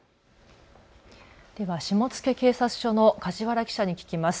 では下野警察署の梶原記者に聞きます。